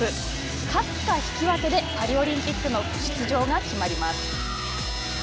勝つか引き分けでパリオリンピックの出場が決まります。